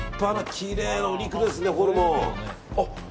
きれいなお肉ですね、ホルモン。